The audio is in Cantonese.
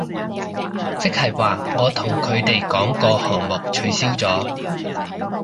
即係話我同佢哋講個項目取消咗